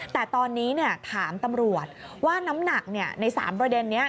แต่ตอนนี้ถามตำรวจว่าน้ำหนักใน๓ประเด็นนี้